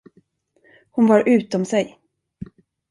Hon var utom sig.